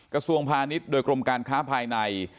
กระทรวงพาณิชย์โดยกรมการค้าภายใน